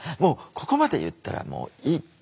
「ここまで言ったらもういい」っていう。